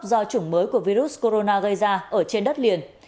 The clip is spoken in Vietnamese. do chủng mới của virus corona gây ra ở trên đất liền